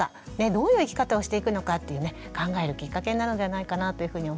どういう生き方をしていくのかっていうね考えるきっかけになるのではないかなというふうに思います。